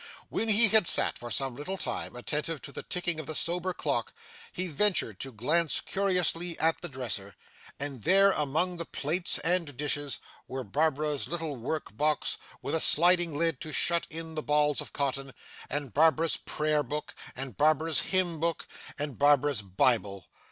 When he had sat for some little time, attentive to the ticking of the sober clock, he ventured to glance curiously at the dresser, and there, among the plates and dishes, were Barbara's little work box with a sliding lid to shut in the balls of cotton, and Barbara's prayer book, and Barbara's hymn book, and Barbara's Bible.